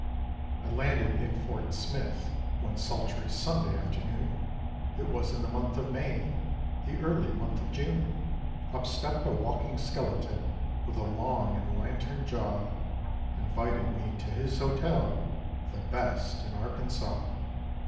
I landed in Ft. Smith one sultry Sunday afternoon, It was in the month of May, the early month of June, Up stepped a walking skeleton with a long and lantern jaw, Invited me to his hotel, "The best in Arkansaw."